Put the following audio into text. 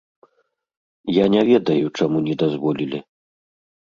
Я не ведаю, чаму не дазволілі.